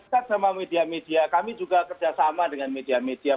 kalau kita dekat sama media media